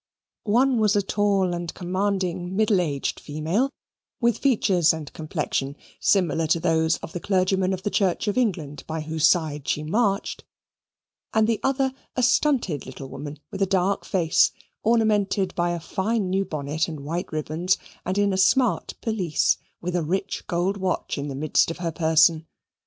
One was a tall and commanding middle aged female, with features and a complexion similar to those of the clergyman of the Church of England by whose side she marched, and the other a stunted little woman with a dark face, ornamented by a fine new bonnet and white ribbons, and in a smart pelisse, with a rich gold watch in the midst of her person.